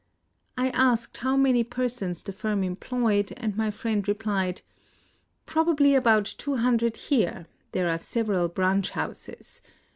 I asked how many persons the firm employed, and my friend replied :—" Probably about two hundred here ; there are several branch houses.